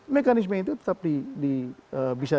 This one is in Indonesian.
mekanisme itu tetap bisa